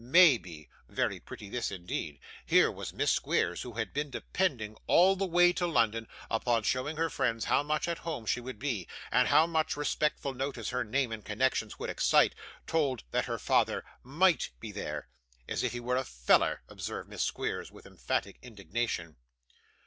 MAY BE. Very pretty this, indeed! Here was Miss Squeers, who had been depending, all the way to London, upon showing her friends how much at home she would be, and how much respectful notice her name and connections would excite, told that her father MIGHT be there! 'As if he was a feller!' observed Miss Squeers, with emphatic indignation.